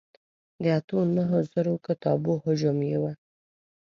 د اتو نهو زرو کتابو حجم یې و.